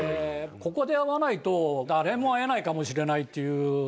ここで会わないと誰も会えないかもしれないと思って。